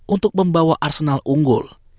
untuk membawa arsenal unggul